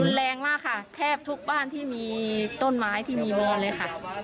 แรงมากค่ะแทบทุกบ้านที่มีต้นไม้ที่มีวอนเลยค่ะ